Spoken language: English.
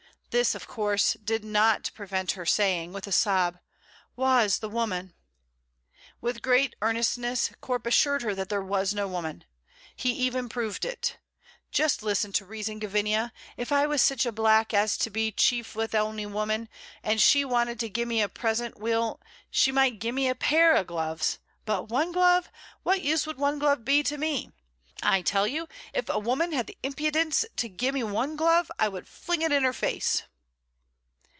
This, of course, did not prevent her saying, with a sob, "Wha is the woman?" With great earnestness Corp assured her that there was no woman. He even proved it: "Just listen to reason, Gavinia. If I was sich a black as to be chief wi' ony woman, and she wanted to gie me a present, weel, she might gie me a pair o' gloves, but one glove, what use would one glove be to me? I tell you, if a woman had the impidence to gie me one glove, I would fling it in her face."